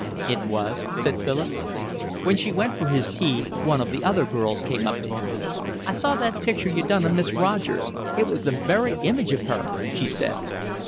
"It was," said Philip. When she went for his tea, one of the other girls came up to him. "I saw that picture you done of Miss Rogers. It was the very image of her," she said.